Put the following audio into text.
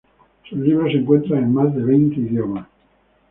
Sus libros se encuentran en más de veinte idiomas.